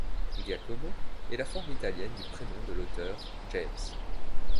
Giacomo est la forme italienne du prénom de l'auteur, James.